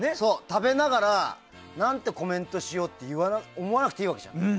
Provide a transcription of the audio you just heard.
食べながら何てコメントしようとか思わなくていいわけじゃない。